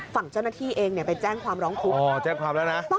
ฝั่งเจ้าหน้าที่เองเนี่ยไปแจ้งความร้องทุกข์อ๋อแจ้งความแล้วนะ